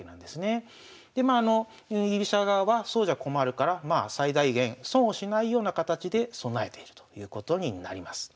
でまあ居飛車側はそうじゃ困るから最大限損をしないような形で備えているということになります。